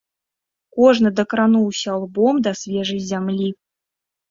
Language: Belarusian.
Кожны дакрануўся лбом да свежай зямлі.